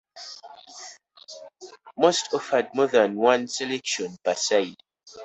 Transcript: Most offered more than one selection per side.